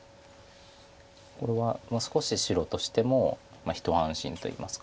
これは少し白としても一安心といいますか。